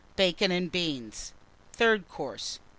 Bacon and Beans. THIRD COURSE.